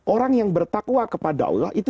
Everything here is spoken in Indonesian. orang yang bertakwa kepada allah itu